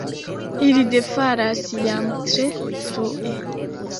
Ili defalas jam tre frue.